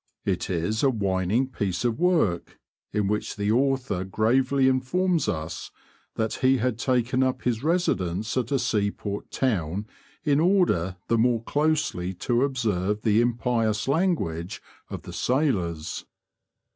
It is a whining piece of work, in which the author gravely informs us that he had taken up his residence at a seaport town in order the more closely to observe the impious language of the sailors.